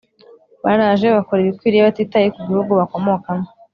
Baraje bakora ibikwiriye batitaye ku gihugu bakomokamo